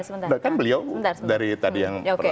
tidak kan beliau dari tadi yang